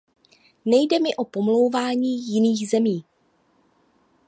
Nejde mi o pomlouvání jiných zemí.